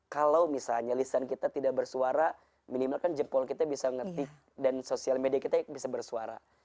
kalau misalnya lisan kita tidak bersuara minimal kan jempol kita bisa ngetik dan sosial media kita bisa bersuara